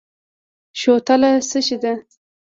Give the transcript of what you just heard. شوتله څه شی ده؟